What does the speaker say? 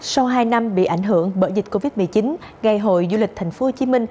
sau hai năm bị ảnh hưởng bởi dịch covid một mươi chín ngày hội du lịch tp hcm